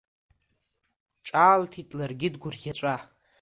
Ҿаалҭит ларгьы дгәырӷьаҵәа.